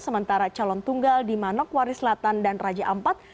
sementara calon tunggal di manokwari selatan dan raja ampat